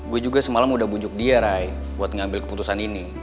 gue juga semalam udah bujuk dia rai buat ngambil keputusan ini